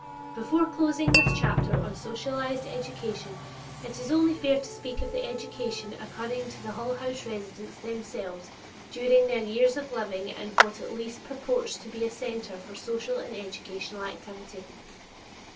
Before closing this chapter on Socialized Education, it is only fair to speak of the education accruing to the Hull House residents themselves during their years of living in what at least purports to be a center for social and educational activity.